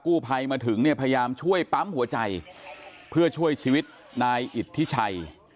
ภัยมาถึงเนี่ยพยายามช่วยปั๊มหัวใจเพื่อช่วยชีวิตนายอิทธิชัย